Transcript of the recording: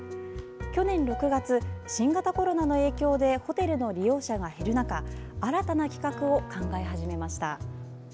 去年６月、新型コロナの影響でホテルの利用者が減る中新たな企画を考え始めました。